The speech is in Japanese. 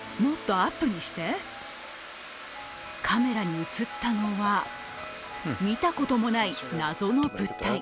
カメラに映ったのは、見たこともない謎の物体。